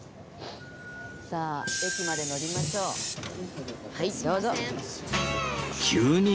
さあ駅まで乗りましょう。